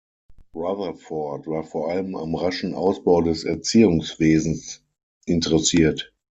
Rutherford war vor allem am raschen Ausbau des Erziehungswesens interessiert.